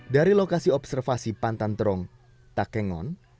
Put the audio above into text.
dari lokasi observasi pantan terong takengon